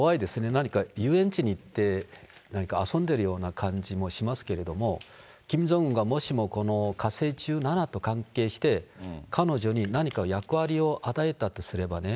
何か遊園地に行って、なんか遊んでるような感じもしますけども、キム・ジョンウンがもしもこの火星１７と関係して、彼女に何か役割を与えたとすればね。